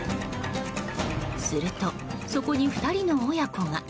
すると、そこに２人の親子が。